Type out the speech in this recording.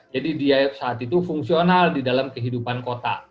jadi dia saat itu fungsional di dalam kehidupan kota